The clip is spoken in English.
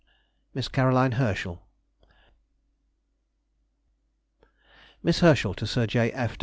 MISS CAROLINE HERSCHEL. MISS HERSCHEL TO SIR J.